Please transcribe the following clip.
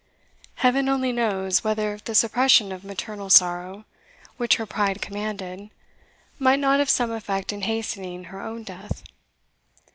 Heaven only knows whether the suppression of maternal sorrow, which her pride commanded, might not have some effect in hastening her own death.